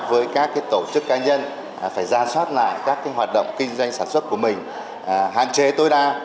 với các tổ chức ca nhân phải ra soát lại các hoạt động kinh doanh sản xuất của mình hạn chế tối đa